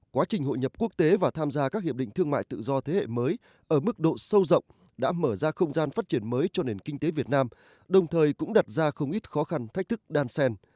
quá trình hội nhập quốc tế và tham gia các hiệp định thương mại tự do thế hệ mới ở mức độ sâu rộng đã mở ra không gian phát triển mới cho nền kinh tế việt nam đồng thời cũng đặt ra không ít khó khăn thách thức đan sen